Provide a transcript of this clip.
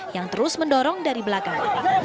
yang terus mendorong dari belakang